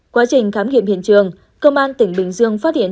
quá trình khám nghiệm hiện trường công an tỉnh bình dương phát hiện